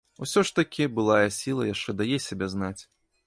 Усё ж такі былая сіла яшчэ дае сябе знаць.